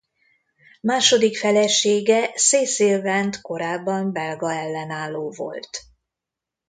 Második felesége Cécile Vent korábban belga ellenálló volt.